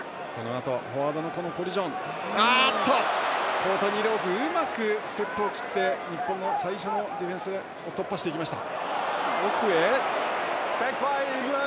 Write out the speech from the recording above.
コートニー・ローズがうまくステップを切って日本の最初のディフェンスを突破していきました。